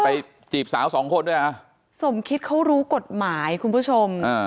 จีบสาวสองคนด้วยอ่ะสมคิดเขารู้กฎหมายคุณผู้ชมอ่า